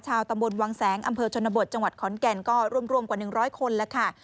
ชาวตำบลวังแสงอำเภอชนบทจังหวัดขอนแก่นก็รวมกว่า๑๐๐คนแล้วค่ะ